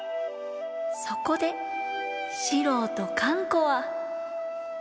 そこで四郎とかん子は。